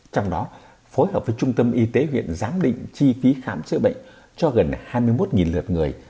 trong đó phối hợp với trung tâm y tế huyện giám định chi phí khám chữa bệnh cho gần hai mươi một lượt người